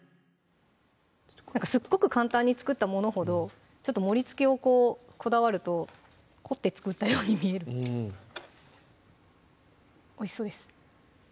すっごく簡単に作ったものほどちょっと盛りつけをこうこだわると凝って作ったように見えるおいしそうです